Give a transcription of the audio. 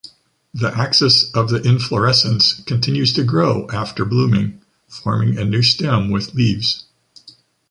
The axis of the inflorescence continues to grow after blooming, forming a new stem with leaves.